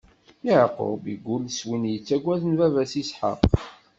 Yeɛqub iggull s win yettagwd baba-s Isḥaq.